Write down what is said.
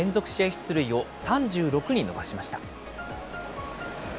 出塁を３６に伸ばしました。